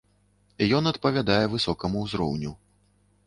Ён адпавядае высокаму ўзроўню.